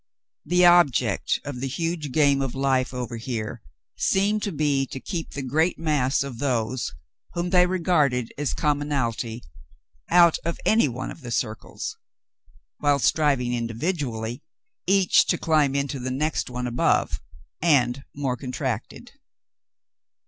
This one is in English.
The object of the huge game of life over here seemed to be to keep the great mass of those whom they regarded as commonalty out of any one of the circles, while striving individually each to climb into the one next above, and more contracted.